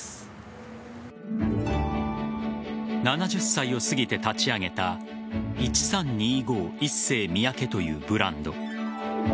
７０歳を過ぎて立ち上げた１３２５．ＩＳＳＥＹＭＩＹＡＫＥというブランド。